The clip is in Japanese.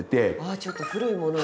あちょっと古いものに。